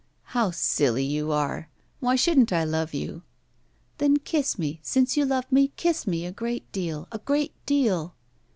'How silly you are! Why shouldn't I love you?' 'Then kiss me, since you love me, kiss me a great deal, a great deal.